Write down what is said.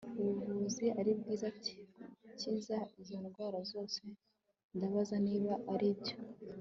ubuvuzi 'aribwira ati' gukiza izo ndwara zose. ndabaza niba aribyo